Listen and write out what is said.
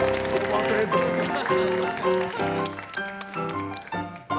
ありがとうございます。